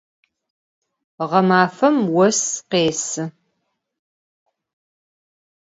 Ğemafem vos khêsı.